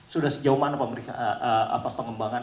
sudah sejauh mana pengembangan